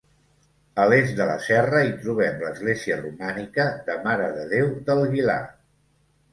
A l'est de la serra hi trobem l'església romànica de Mare de Déu del Guilar.